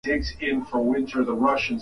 Toa maganda ya viazi na uoshe